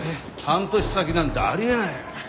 半年先なんてあり得ない。